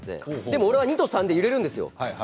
僕は２と３の間で揺れるんです。